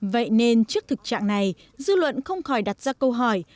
vậy nên trước thực trạng này dư luận không khỏi đặt ra câu hỏi